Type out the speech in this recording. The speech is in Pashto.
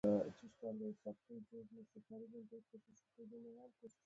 سهار د ارام زړه لپاره نعمت دی.